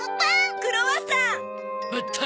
クロワッサン！